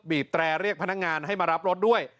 แตรเรียกพนักงานให้มารับรถด้วย